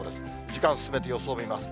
時間進めて予想を見ます。